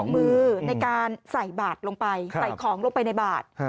มือในการใส่บาทลงไปใส่ของลงไปในบาท